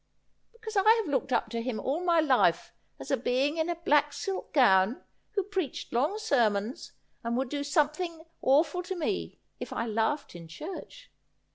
' Because I have looked up to him all my life as a being in a black silk gown who preached long sermons and would do some 62 Asphodel. thing awful to me if I laughed in church.